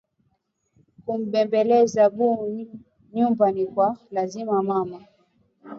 Ku bembeleza bu nyumba ni kwa lazima mama